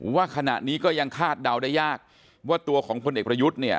ว่าขณะนี้ก็ยังคาดเดาได้ยากว่าตัวของพลเอกประยุทธ์เนี่ย